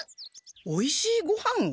おいしいごはんを？